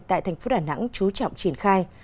tại thành phố đà nẵng chú trọng triển khai